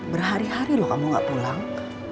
berhari hari loh kamu gak pulang